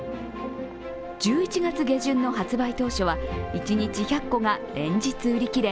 １１月下旬の発売当初は一日１００個が連日売り切れ